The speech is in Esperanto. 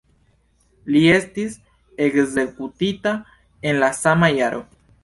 Li estis ekzekutita en la sama jaro.